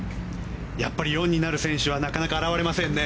やっぱり４になる選手はなかなか現れませんね。